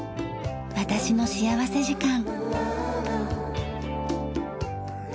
『私の幸福時間』。